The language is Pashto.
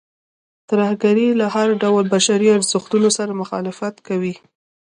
ترهګرۍ له هر ډول بشري ارزښتونو سره مخالفت کوي.